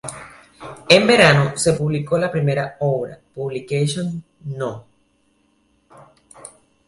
En verano se publicó la primera obra, "Publication No.